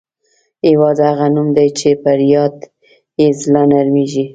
هېواد هغه نوم دی چې پر یاد یې زړه نرميږي.